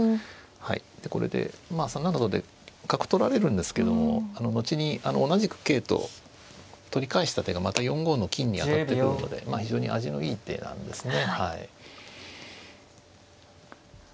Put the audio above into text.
はいこれで３七とで角取られるんですけども後に同じく桂と取り返した手がまた４五の金に当たってくるのでまあ非常に味のいい手なんですね。